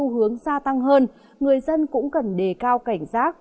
hướng xa tăng hơn người dân cũng cần đề cao cảnh rác